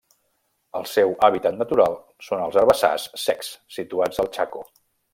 El seu hàbitat natural són els herbassars secs situats al Chaco.